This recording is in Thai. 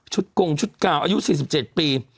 กงชุดกาวอายุ๔๗ปี